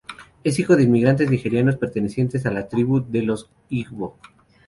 Es hijo de inmigrantes nigerianos, pertenecientes a la tribu de los Igbo.